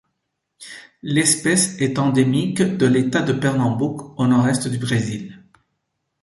L'espèce est endémique de l'État de Pernambouc au Nord-Est du Brésil.